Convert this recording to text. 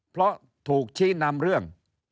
เพราะถูกชี้นำเรื่อง